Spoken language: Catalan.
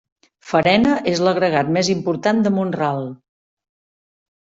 Farena és l'agregat més important de Mont-ral.